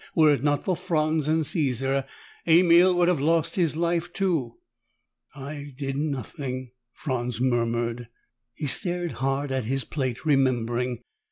"Were it not for Franz and Caesar, Emil would have lost his life, too." "I did nothing," Franz murmured. He stared hard at his plate, remembering.